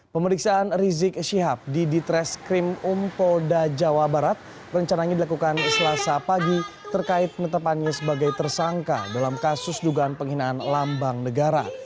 pemeriksaan rizik syihab di ditres krim um polda jawa barat rencananya dilakukan selasa pagi terkait penetapannya sebagai tersangka dalam kasus dugaan penghinaan lambang negara